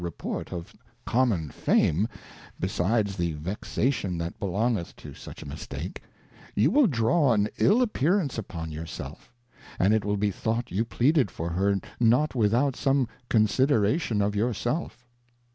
35 Report of Common Fame, besides the Vexation that belongeth to such a mistake, you will draw an ill appearance upon your self, and it will be thought you pleaded for her not without some Consideration of your self.